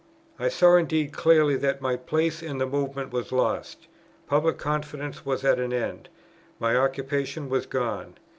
I saw indeed clearly that my place in the Movement was lost; public confidence was at an end; my occupation was gone.